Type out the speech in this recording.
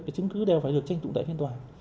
cái chứng cứ đều phải được tranh tụng tại phiên tòa